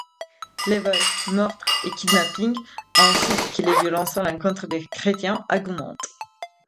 Les vols, meurtres et kidnappings, ainsi que les violences à l'encontre de chrétiens augmentent.